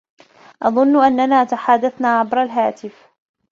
أظن أننا تحادثنا عبر الهاتف.